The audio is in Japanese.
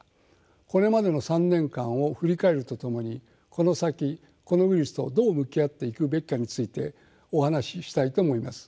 これまでの３年間を振り返るとともにこの先このウイルスとどう向き合っていくべきかについてお話ししたいと思います。